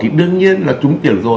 thì đương nhiên là trúng tiền rồi